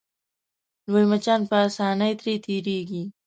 لوی مچان په اسانۍ ترې تېرېږي.